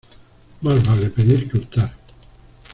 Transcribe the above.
Más vale pedir que hurtar.